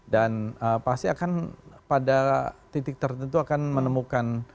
dan pasti akan pada titik tertentu akan menemukan